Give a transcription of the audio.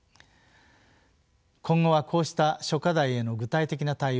今後はこうした諸課題への具体的な対応